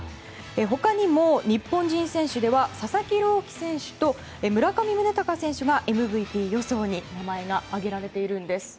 他にも日本人選手では佐々木朗希投手と村上宗隆選手がＭＶＰ予想に名前が挙げられているんです。